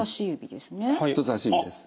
人さし指ですね。